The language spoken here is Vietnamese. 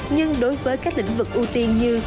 nhưng đối với các lĩnh vực ưu tiên như